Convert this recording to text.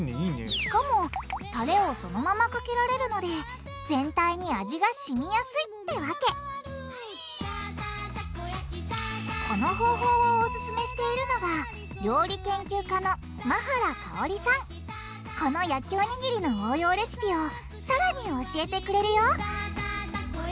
しかもタレをそのままかけられるので全体に味がしみやすいってわけこの方法をオススメしているのがこの焼きおにぎりの応用レシピをさらに教えてくれるよ